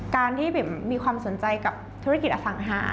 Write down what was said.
การที่มีความสนใจกับธุรกิจอสังหา